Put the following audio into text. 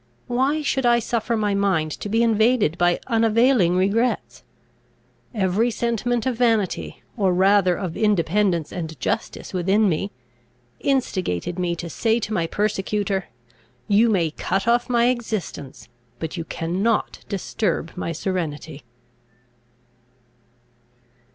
Why should I suffer my mind to be invaded by unavailing regrets? Every sentiment of vanity, or rather of independence and justice within me, instigated me to say to my persecutor, "You may cut off my existence, but you cannot disturb my serenity."